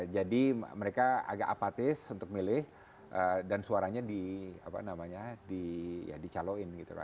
jadi mereka agak apatis untuk milih dan suaranya dicaloin gitu right